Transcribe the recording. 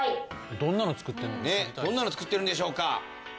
どんなの作ってるんでしょうか？